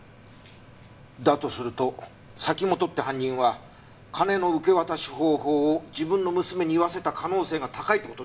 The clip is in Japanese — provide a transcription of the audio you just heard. だとすると崎本って犯人は金の受け渡し方法を自分の娘に言わせた可能性が高いって事になるな。